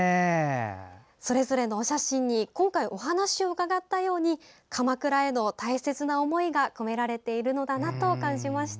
それぞれのお写真に今回、お話を伺ったように鎌倉への大切な思いが込められているのだなと感じました。